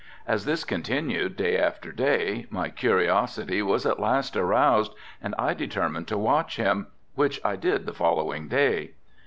As this continued day after day my curiosity was at last aroused and I determined to watch him, which I did the following day.